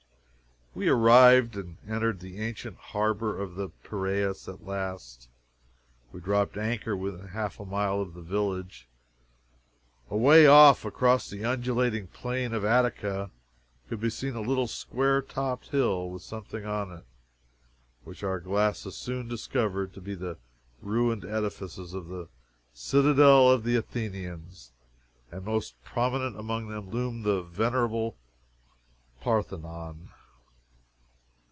We arrived, and entered the ancient harbor of the Piraeus at last. We dropped anchor within half a mile of the village. Away off, across the undulating Plain of Attica, could be seen a little square topped hill with a something on it, which our glasses soon discovered to be the ruined edifices of the citadel of the Athenians, and most prominent among them loomed the venerable Parthenon.